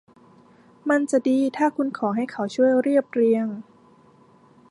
มันจะดีถ้าคุณขอให้เขาช่วยเรียบเรียง